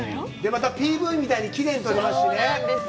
またＰＶみたいにきれいに撮りますしね。